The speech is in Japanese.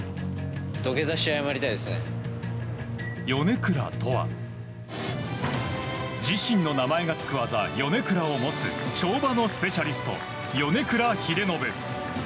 米倉とは自身の名前がつくヨネクラを持つ跳馬のスペシャリスト米倉英信。